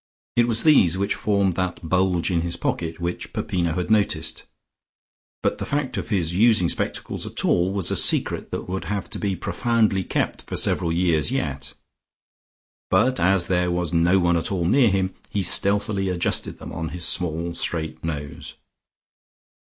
It was these which formed that bulge in his pocket which Peppino had noticed, but the fact of his using spectacles at all was a secret that would have to be profoundly kept for several years yet. But as there was no one at all near him, he stealthily adjusted them on his small straight nose.